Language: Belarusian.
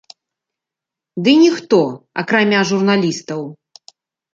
Ды ніхто, акрамя журналістаў!